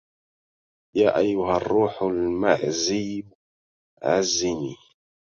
يا أيها الروح المعزي عزني